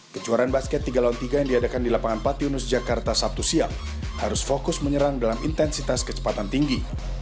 kejuaraan basket tiga lawan tiga yang diadakan di lapangan patinus jakarta sabtu siang harus fokus menyerang dalam intensitas kecepatan tinggi